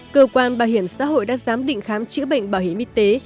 cơ quan bảo hiểm xã hội đã giám định khám chữa bệnh bảo hiểm y tế